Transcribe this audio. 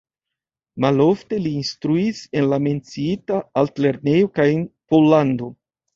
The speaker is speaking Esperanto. Malofte li instruis en la menciita altlernejo kaj en Pollando.